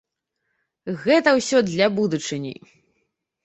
Гэта ўсё для будучыні.